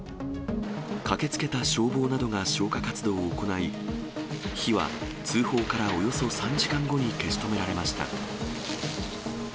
駆けつけた消防などが消火活動を行い、火は通報からおよそ３時間後に消し止められました。